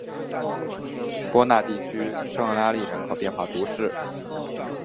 波讷地区圣厄拉利人口变化图示